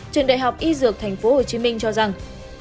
trường đại học y dược tp hcm cho rằng